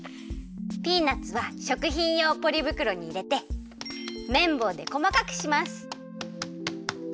ピーナツはしょくひんようポリぶくろにいれてめんぼうでこまかくします。